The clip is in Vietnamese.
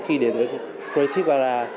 khi đến creative dara